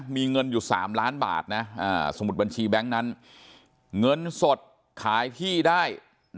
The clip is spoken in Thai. มีเงินอยู่๓ล้านบาทนะสมุดบัญชีแบงค์นั้นเงินสดขายที่ได้